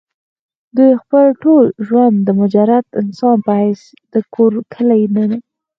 دوي خپل ټول ژوند د مجرد انسان پۀ حېث د کور کلي نه